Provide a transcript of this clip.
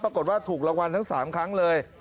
ปรากฏว่าถูกรางวัลทั้ง๓ครั้งเลย